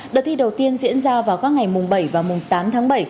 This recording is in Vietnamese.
đợt thi đầu tiên diễn ra vào các ngày mùng bảy và mùng tám tháng bảy